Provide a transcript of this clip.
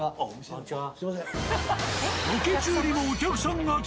こんにちは。